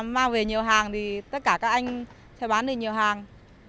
mang về nhiều hàng thì tất cả các anh sẽ bán được nhiều hàng